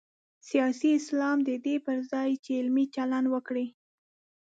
سیاسي اسلام د دې پر ځای چې علمي چلند وکړي.